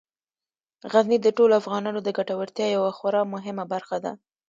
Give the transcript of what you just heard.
غزني د ټولو افغانانو د ګټورتیا یوه خورا مهمه برخه ده.